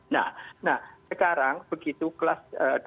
nah sekarang begitu kelas dua